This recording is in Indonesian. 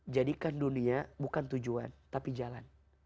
jadikan dunia bukan tujuan tapi jalan